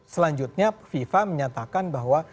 selanjutnya fifa menyatakan bahwa